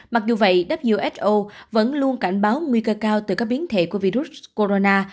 mặc dù vậy who vẫn luôn cảnh báo nguy cơ cao từ các biến thể của virus corona